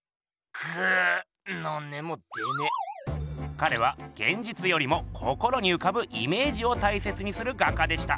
かれはげんじつよりも心にうかぶイメージを大切にする画家でした。